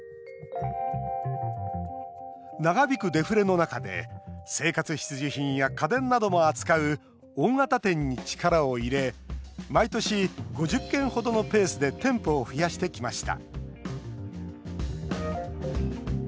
長引くデフレの中で生活必需品や家電なども扱う大型店に力を入れ毎年、５０軒程のペースで店舗を増やしてきました